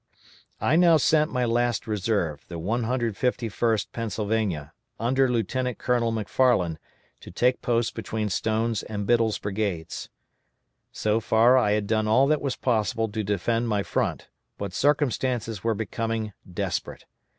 I now sent my last reserve, the 151st Pennsylvania, under Lieutenant Colonel McFarland, to take post between Stone's and Biddle's brigades. So far I had done all that was possible to defend my front, but circumstances were becoming desperate.